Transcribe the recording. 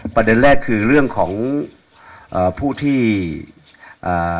ประเด็นแรกคือเรื่องของเอ่อผู้ที่อ่า